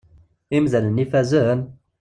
Imdanen ifazen?